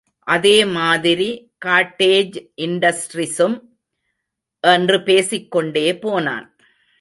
அதேமாதிரி காட்டேஜ் இண்டஸ்ரிஸும்... என்று பேசிக் கொண்டே போனான்.